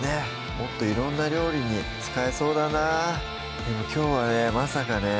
もっと色んな料理に使えそうだなでもきょうはねまさかね